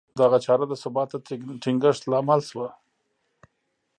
دغه چاره د ثبات د ټینګښت لامل شوه